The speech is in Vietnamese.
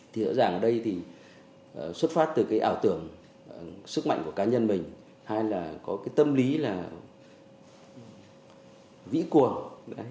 thì rõ ràng ở đây thì xuất phát từ cái ảo tưởng sức mạnh của cá nhân mình hay là có cái tâm lý là vĩ cuồng